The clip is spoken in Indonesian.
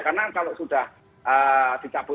karena kalau sudah dicabutkan